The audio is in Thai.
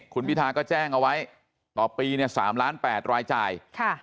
คุณพิทาก็แจ้งเอาไว้ต่อปีเนี่ยสามล้านแปดรายจ่ายค่ะ